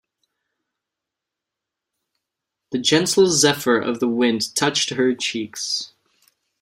The gentle zephyr of the wind touched her cheeks.